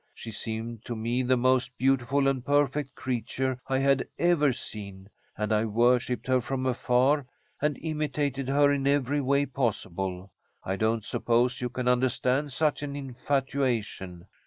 She seemed to me the most beautiful and perfect creature I had ever seen, and I worshipped her from afar, and imitated her in every way possible. I don't suppose you can understand such an infatuation."